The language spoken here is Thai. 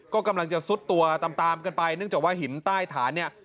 ก็กำลังจะซุดตัวตามตามกันไปเนื่องจากว่าหินใต้ฐานเนี่ย